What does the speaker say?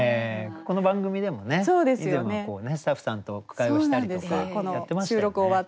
この番組でも以前はスタッフさんと句会をしたりとかやってましたよね。